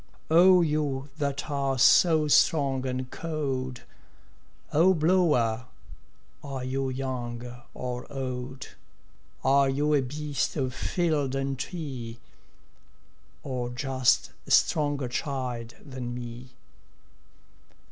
O you that are so strong and cold, O blower, are you young or old? Are you a beast of field and tree, Or just a stronger child than me?